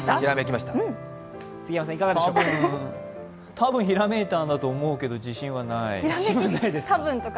たぶん、ひらめいたんだと思うけど自信はない。